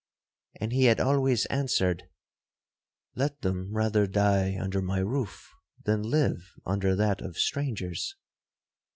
'—And he had always answered, 'Let them rather die under my roof, than live under that of strangers.'